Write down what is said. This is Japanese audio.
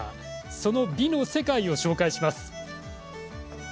その美の世界を紹介します。